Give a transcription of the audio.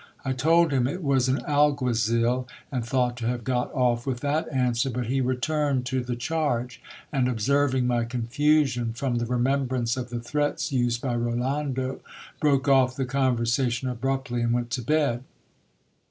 I told him it was an alguazil, and thought to have got off with that answer, but he returned to the charge ; and observing my confusion, from the remembrance of the threats used by Rolando, broke off the conversation abruptly and went to bed.